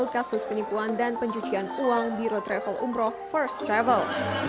kasus penipuan dan pencucian uang biro travel umroh first travel